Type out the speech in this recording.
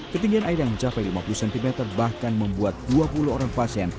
ketinggian air yang mencapai lima puluh cm bahkan membuat dua puluh orang pasien